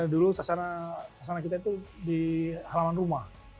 dulu sasaran kita itu di halaman rumah